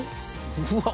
うわ！